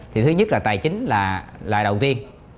thì thứ nhất là tài chính là đầu tiên